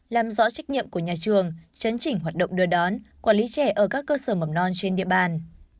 làm rõ trách nhiệm của nhà trường chấn chỉnh hoạt động đưa đón quản lý trẻ ở các cơ sở mầm non trên địa bàn